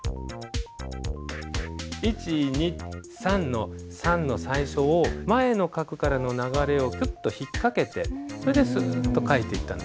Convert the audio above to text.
１２３の３の最初を前の画からの流れをヒュッと引っ掛けてそれでスッと書いていったんです。